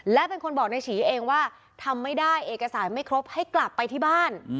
และเป็นคนบอกนายฉีเองว่าทำไม่ได้เอกสารไม่ครบให้กลับไปที่บ้าน